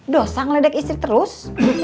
dosang ledek istri terus